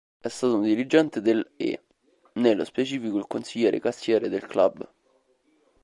È stato un dirigente del e, nello specifico, il consigliere-cassiere del club.